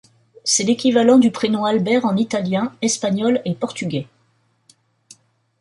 C'est l'équivalent du prénom Albert en italien, espagnol et portugais.